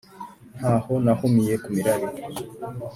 ntaho nahumiye ku mirari